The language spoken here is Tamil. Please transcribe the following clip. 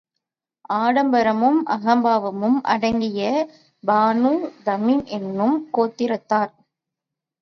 ஆடம்பரமும் அகம்பாவமும் அடங்கியது பனூ தமீம் என்னும் கோத்திரத்தார்.